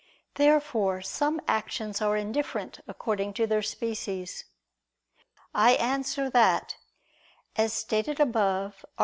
Therefore some actions are indifferent according to their species. I answer that, As stated above (AA.